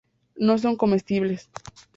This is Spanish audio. No son comestibles.